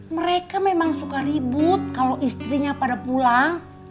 mereka memang suka ribut kalau istrinya pada pulang